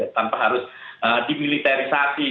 tanpa harus dimiliterisasi